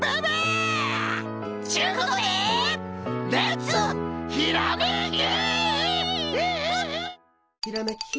ちゅことでレッツひらめき！